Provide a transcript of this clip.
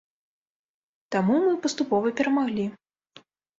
Таму мы паступова перамаглі.